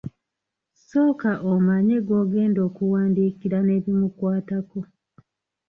Sooka omanye gw'ogenda okuwandiikira n'ebimukwatako.